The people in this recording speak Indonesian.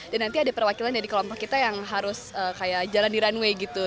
dan nanti ada perwakilan dari kelompok kita yang harus jalan di runway gitu